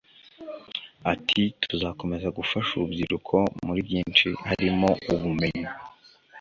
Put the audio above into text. Ati “Tuzakomeza gufasha urubyiruko muri byinshi harimo ubumenyi